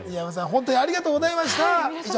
新山さん、ありがとうございました。